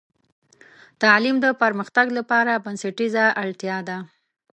تعلیم د پرمختګ لپاره بنسټیزه اړتیا ده.